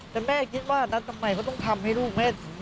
แต่แม่คิดว่านัททำไมเขาต้องทำให้ลูกแม่